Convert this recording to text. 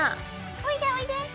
おいでおいで。